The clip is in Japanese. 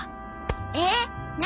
えっ何？